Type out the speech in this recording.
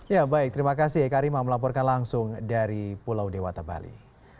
ya baik terima kasih eka rima melaporkan langsung dari pulau dewata bali